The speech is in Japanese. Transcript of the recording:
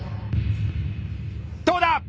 どうだ！